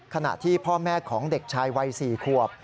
ขณะที่พ่อแม่ของเด็กชายวัย๔ขวบ